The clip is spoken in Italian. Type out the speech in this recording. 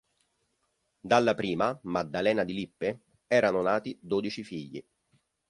Dalla prima, Maddalena di Lippe, erano nati dodici figli.